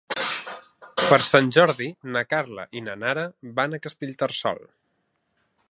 Per Sant Jordi na Carla i na Nara van a Castellterçol.